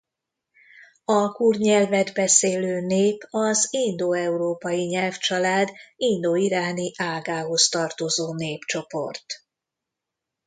A kurd nyelvet beszélő nép az indoeurópai nyelvcsalád indoiráni ágához tartozó népcsoport.